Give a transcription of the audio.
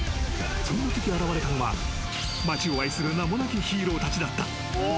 そんな時、現れたのは街を愛する名もなきヒーローだった。